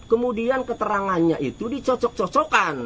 kemudian keterangannya itu dicocok cocokkan